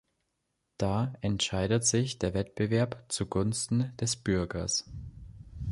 Da entscheidet sich der Wettbewerb zugunsten des Bürgers.